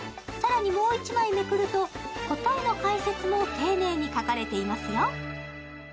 更に、もう１枚めくると答えの解説も丁寧に書かれていますよ。